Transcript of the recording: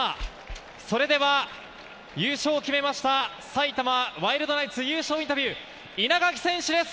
優勝を決めました埼玉ワイルドナイツのインタビュー、稲垣選手です。